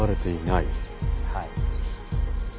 はい。